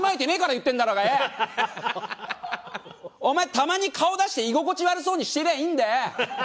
たまに顔出して居心地悪そうにしてりゃいいんだよ。